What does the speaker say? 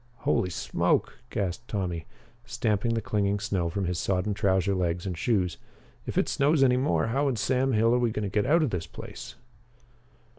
"Holy smoke!" gasped Tommy, stamping the clinging snow from his sodden trouser legs and shoes, "if it snows any more, how in Sam Hill are we going to get out of this place?"